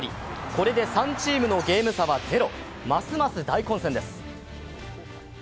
これで３チームのゲーム差はゼロますます大混戦です。